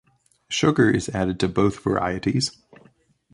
Sugar is added to both varieties.